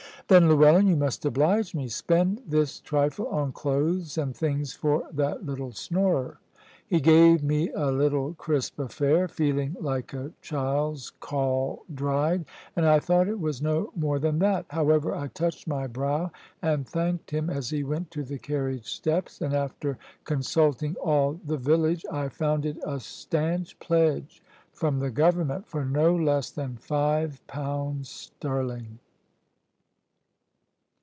"Then, Llewellyn, you must oblige me. Spend this trifle on clothes and things for that little snorer." He gave me a little crisp affair, feeling like a child's caul dried, and I thought it was no more than that. However I touched my brow and thanked him as he went to the carriage steps; and after consulting all the village, I found it a stanch pledge from the Government for no less than five pounds sterling.